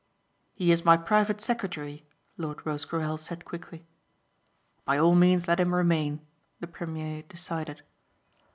"He is my private secretary," Lord Rosecarrel said quickly. "By all means let him remain," the premier decided.